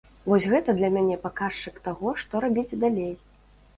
Вось гэта для мяне паказчык таго, што рабіць далей.